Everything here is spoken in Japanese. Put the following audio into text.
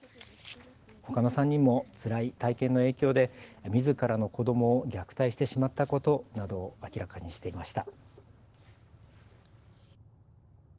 ほかの３人もつらい体験の影響でみずからの子どもを虐待してしまったことなどを明らかにしていました。